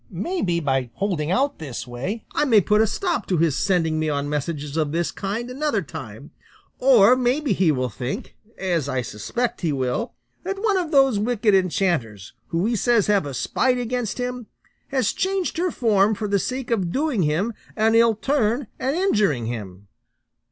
Maybe, by holding out in this way, I may put a stop to his sending me on messages of this kind another time; or maybe he will think, as I suspect he will, that one of those wicked enchanters, who he says have a spite against him, has changed her form for the sake of doing him an ill turn and injuring him."